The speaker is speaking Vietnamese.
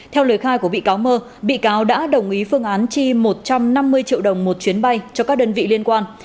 theo lời khai của bị cáo mơ bị cáo đã đồng ý phương án chi một trăm năm mươi triệu đồng một chuyến bay cho các đơn vị liên quan